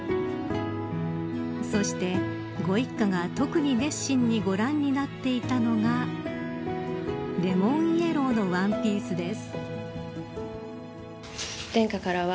そしてご一家が、特に熱心にご覧になっていたのがレモンイエローのワンピースです。